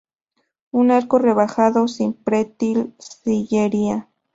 Un arco rebajado, sin pretil, sillería.